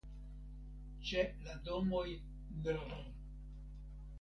Ĉe la domoj nr.